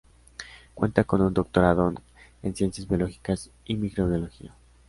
Cuenta con un doctorado en ciencias biológicas y microbiología.